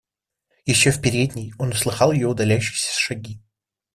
Еще в передней он услыхал ее удаляющиеся шаги.